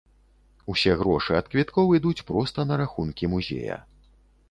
Усе грошы ад квіткоў ідуць проста на рахункі музея.